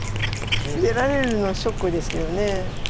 出られるのショックですけど。